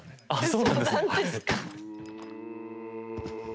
そうなんですか？